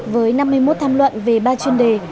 với năm mươi một tham luận về ba chuyên đề